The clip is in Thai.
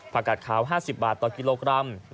กัดขาว๕๐บาทต่อกิโลกรัม